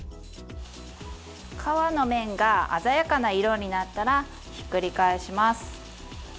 皮の面が鮮やかな色になったらひっくり返します。